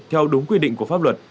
theo đúng quy định của pháp luật